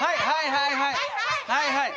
はいはいはいはい！